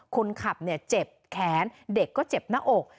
คนขับเจ็บแขนเด็กก็เจ็บหน้าอก